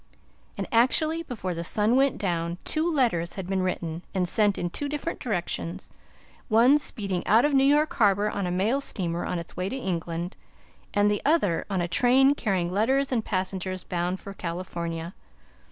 And actually, before the sun went down, two letters had been written and sent in two different directions one speeding out of New York harbor on a mail steamer on its way to England, and the other on a train carrying letters and passengers bound for California.